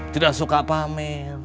tidak suka pamir